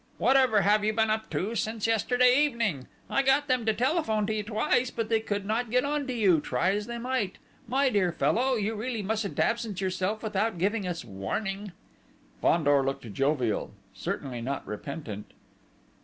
Whatever have you been up to since yesterday evening? I got them to telephone to you twice, but they could not get on to you, try as they might. My dear fellow, you really mustn't absent yourself without giving us warning." Fandor looked jovial: certainly not repentant.